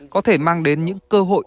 có thể mang đến những cơ hội